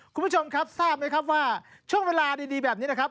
คุณผู้ชมครับทราบไหมครับว่าช่วงเวลาดีแบบนี้นะครับ